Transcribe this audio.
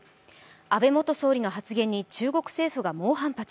安倍元総理の発言に中国政府が猛反発。